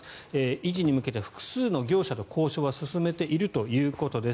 維持に向けて複数の業者と交渉は進めているということです。